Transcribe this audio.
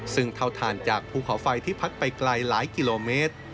ซึ่งเท่าทานจากภูเขาไฟที่พัดไปไกลหลายกิโลเมตร